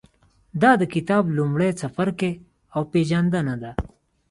دا د کتاب لومړی څپرکی او پېژندنه ده.